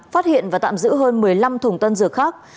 phát hiện và tạm giữ hơn một mươi năm thùng tân dược khác